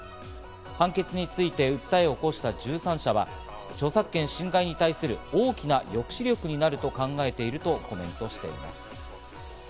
判決について訴えを起こした１３社は著作権侵害に対する大きな抑止力になると考えているとコメントしています。